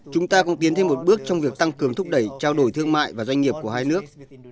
chúng ta cũng tiến thêm một bước trong việc tăng cường thúc đẩy trao đổi thương mại và doanh nghiệp của hai nước